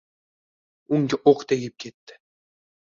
Unga o’q tegib ketdi.